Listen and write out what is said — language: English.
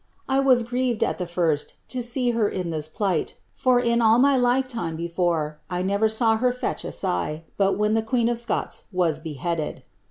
I was grieved, at the first, to see her in this plight, for in all my lifetime before, I never saw her fetch a sigh, but when the queen of Scots was beheaded.